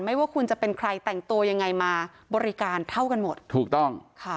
ว่าคุณจะเป็นใครแต่งตัวยังไงมาบริการเท่ากันหมดถูกต้องค่ะ